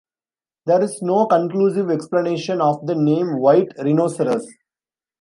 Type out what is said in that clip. There is no conclusive explanation of the name white rhinoceros.